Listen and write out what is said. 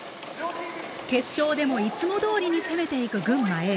決勝でもいつもどおりに攻めていく群馬Ａ。